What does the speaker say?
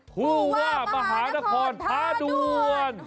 คู่ว่ามหานครพาด้วน